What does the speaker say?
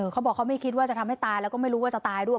เขาบอกเขาไม่คิดว่าจะทำให้ตายแล้วก็ไม่รู้ว่าจะตายด้วย